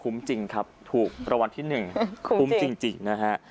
จริงครับถูกรางวัลที่๑คุ้มจริงนะฮะ